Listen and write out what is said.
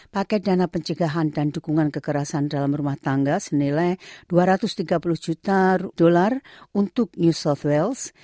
paket dana pencegahan dan dukungan kekerasan dalam rumah tangga senilai dua ratus tiga puluh juta dolar untuk new softwales